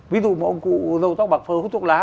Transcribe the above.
ví dụ một ông cụ dâu tóc bạc phơ hút thuốc lá